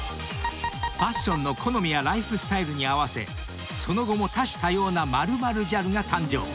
［ファッションの好みやライフスタイルに合わせその後も多種多様な○○ギャルが誕生］